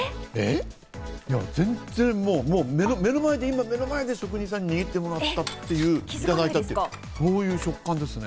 全然、目の前で今、職人さんに握ってもらったっていう、それをいただいたっていう食感です。